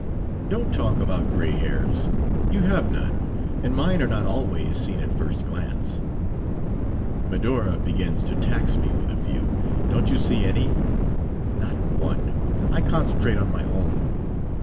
"Don't talk about gray hairs. You have none; and mine are not always seen at first glance." "Medora begins to tax me with a few. Don't you see any?" "Not one. I concentrate on my own.